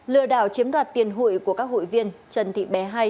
lừa đảo chiếm đoạt tiền hụi của các hụi viên trần thị bé hai